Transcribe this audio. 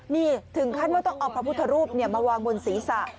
นี่ถึงขั้นว่าต้องเอาพระพุทธรูปมาวางบนศีรษะ